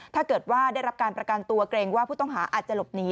ถ้าเกิดว่าได้รับการประกันตัวเกรงว่าผู้ต้องหาอาจจะหลบหนี